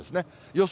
予想